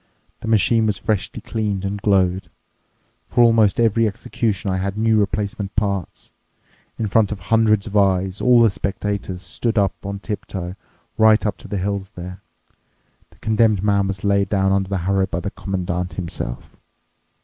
The machine was freshly cleaned and glowed. For almost every execution I had new replacement parts. In front of hundreds of eyes—all the spectators stood on tip toe right up to the hills there—the condemned man was laid down under the harrow by the Commandant himself.